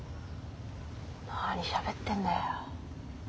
何しゃべってんだよ。